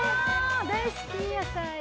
大好き野菜。